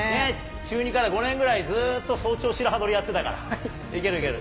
中２から５年ぐらい、ずっと早朝白刃取りやってたから、いける、いける。